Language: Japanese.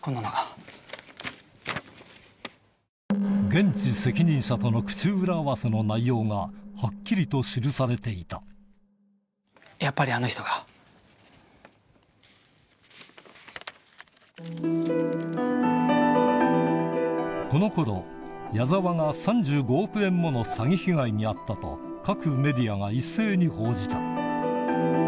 現地責任者との口裏合わせの内容がはっきりと記されていたこの頃矢沢が３５億円もの詐欺被害に遭ったと一斉に広いよ！